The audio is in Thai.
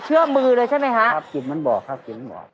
เชื่อมือเลยใช่ไหมฮะครับกลิ่นมันบอกครับกลิ่นมันบอก